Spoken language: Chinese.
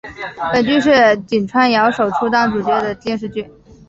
本剧是井川遥首出担当主角的电视剧。